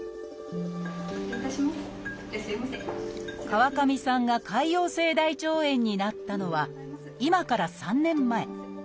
川上さんが潰瘍性大腸炎になったのは今から３年前。